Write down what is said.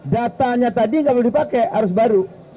datanya tadi nggak boleh dipakai harus baru